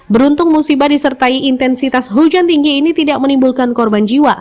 beruntung musibah disertai intensitas hujan tinggi ini tidak menimbulkan korban jiwa